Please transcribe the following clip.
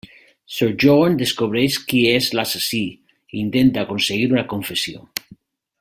Sir John descobreix qui és l'assassí, i intenta aconseguir-ne una confessió.